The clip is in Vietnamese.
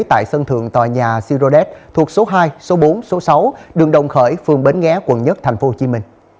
tại sân thượng tòa nhà sirodet thuộc số hai số bốn số sáu đường đồng khởi phường bến nghé quận một tp hcm